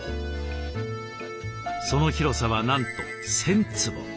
その広さはなんと１，０００坪。